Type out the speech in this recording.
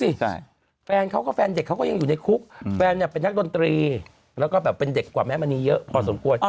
ใช่แฟนเขาก็แฟนเด็กเขาก็ยังอยู่ในคุกแฟนเนี่ยเป็นนักดนตรีแล้วก็แบบเป็นเด็กกว่าแม่มณีเยอะพอสมควร